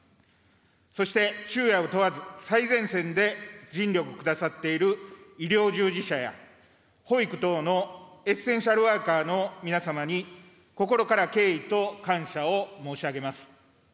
そして、昼夜を問わず最前線で尽力くださっている医療従事者や、保育等のエッセンシャルワーカーの皆様に心から敬意と感謝を申し上げます。